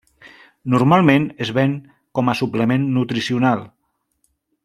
Normalment es ven com a suplement nutricional.